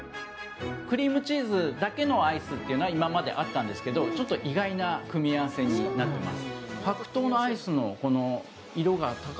クリームチーズだけのアイスっていうのは今まであったんですけどちょっと意外な組み合わせになってます。